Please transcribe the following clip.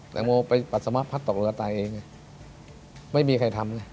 แตงโมไปปัสสาวะพัดตกเรือตายเองไม่มีใครทำไง